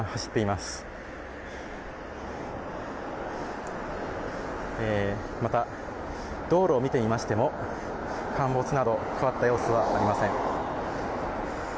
また道路を見ていましても、陥没など、変わった様子はありません。